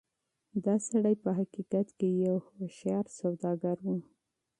دا سړی په حقيقت کې يو هوښيار سوداګر و.